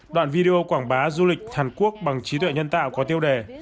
đoạn video quảng bá du lịch hàn quốc bằng trí tuệ nhân tạo có tiêu đề